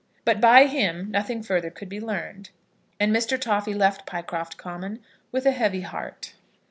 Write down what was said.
But by him nothing further could be learned, and Mr. Toffy left Pycroft Common with a heavy heart.